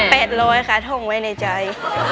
แปดเลยค่ะท่งไว้ในใจ